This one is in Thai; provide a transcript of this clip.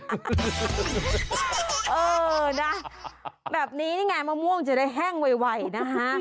เออนะแบบนี้นี่ไงมะม่วงจะได้แห้งไวนะคะ